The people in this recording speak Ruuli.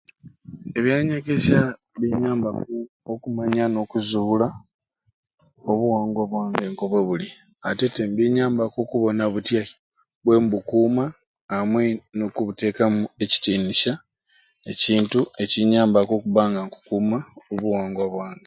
Ebyanyegesya binyambaku okumanya n'okuzuula obuwangwa bwange nk'obwebuli atete ni binyambaku okubona butyai bwembukuuma amwei n'okubuteekamu ekitiinisya ekintu ekinyambaku okubba nga nkukuuma obuwangwa bwange.